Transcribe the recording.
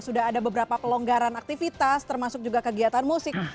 sudah ada beberapa pelonggaran aktivitas termasuk juga kegiatan musik